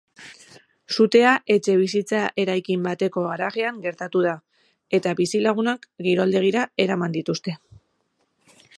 Sutea etxebizitza eraikin bateko garajean gertatu da, eta bizilagunak kiroldegira eraman dituzte.